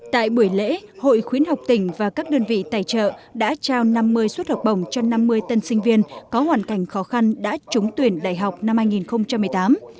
tại buổi lễ hội khuyến học tỉnh và các đơn vị tài trợ đã trao năm mươi suất học bổng cho năm mươi tân sinh viên có hoàn cảnh khó khăn đã trúng tuyển đại học năm hai nghìn một mươi tám